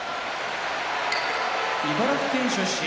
茨城県出身